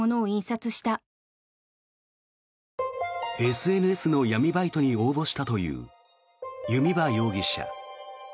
ＳＮＳの闇バイトに応募したという弓場容疑者。